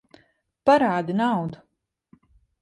Parādi naudu!